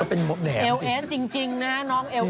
เอ็วเน้นจริงน้องไอว